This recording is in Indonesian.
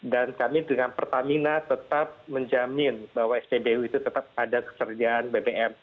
dan kami dengan pertamina tetap menjamin bahwa sbbu itu tetap ada kesejahteraan bbm